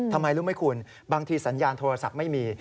ทำไมรู้ไหมคุณบางทีสัญญาณโทรศัพท์ไม่มี